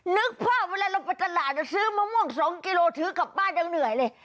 นึกภาพเวลาเราไปตลาดจะซื้อมะม่วง๒กิโลถือกลับบ้านยังเหนื่อยเลย